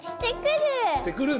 してくる。